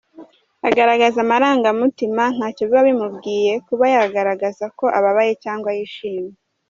Agaragaza amarangamutima, ntacyo biba bimubwiye kuba yaragaraza ko ababaye cyangwa yishimye.